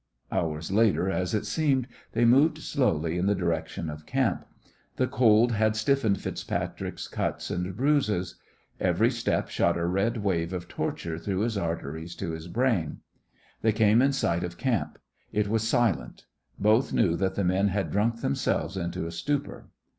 Hours later, as it seemed, they moved slowly in the direction of camp. The cold had stiffened FitzPatrick's cuts and bruises. Every step shot a red wave of torture through his arteries to his brain. They came in sight of camp. It was silent. Both knew that the men had drunk themselves into a stupor.